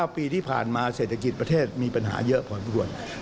ปีที่ผ่านมาเศรษฐกิจประเทศมีปัญหาเยอะพอสมควร